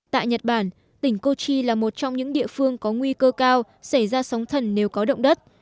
tại nhật bản tỉnh kochi là một trong những địa phương có nguy cơ cao xảy ra sóng thần nếu có động đất